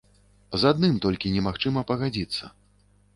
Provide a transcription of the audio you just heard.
З адным толькі немагчыма пагадзіцца.